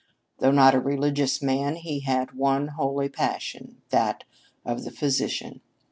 Though not a religious man, he had one holy passion, that of the physician.